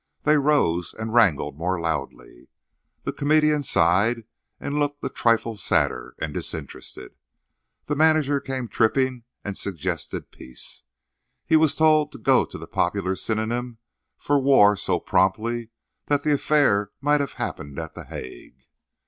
They rose and wrangled more loudly. The comedian sighed and looked a trifle sadder and disinterested. The manager came tripping and suggested peace. He was told to go to the popular synonym for war so promptly that the affair might have happened at The Hague.